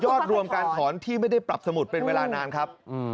รวมการถอนที่ไม่ได้ปรับสมุดเป็นเวลานานครับ